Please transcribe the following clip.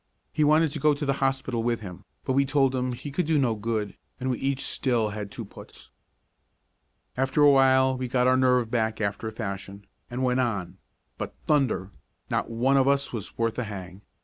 He wanted to go to the hospital with him, but we told him he could do no good, and we each still had two puts. After a while we got our nerve back after a fashion, and went on, but, thunder! not one of us was worth a hang.